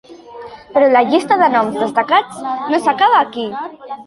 Però la llista de noms destacats no s’acaba aquí.